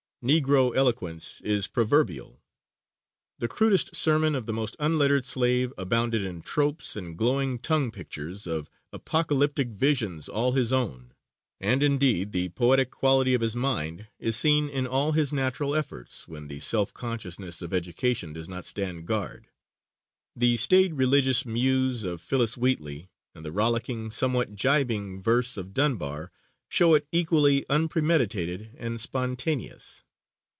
Negro eloquence is proverbial. The crudest sermon of the most unlettered slave abounded in tropes and glowing tongue pictures of apochalyptic visions all his own; and, indeed, the poetic quality of his mind is seen in all his natural efforts when the self consciousness of education does not stand guard. The staid religious muse of Phillis Wheatley and the rollicking, somewhat jibing, verse of Dunbar show it equally, unpremeditated and spontaneous.